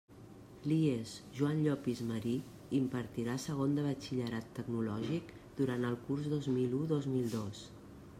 L'IES Joan Llopis Marí impartirà segon de Batxillerat Tecnològic durant el curs dos mil u dos mil dos.